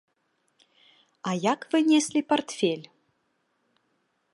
А як вы неслі партфель?